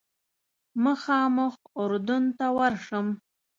مخامخ اردن ته ورشم.